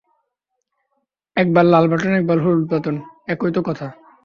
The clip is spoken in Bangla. একবার লাল বাটন, একবার হলুদ বাঁটন, একই তো কথা!